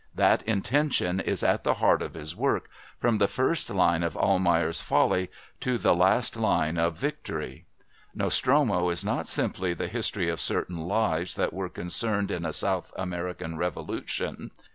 That intention is at the heart of his work from the first line of Almayer's Folly to the last line of Victory. Nostromo is not simply the history of certain lives that were concerned in a South American revolution.